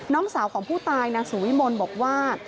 น้องสาวของผู้ตายนางสุวิมลบอกว่า